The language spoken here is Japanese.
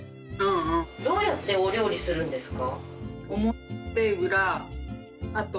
どうやってお料理するんですか？